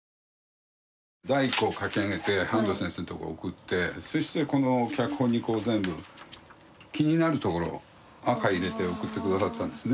第１稿を書き上げて半藤先生のとこへ送ってそしてこの脚本にこう全部気になるところ赤入れて送って下さったんですね。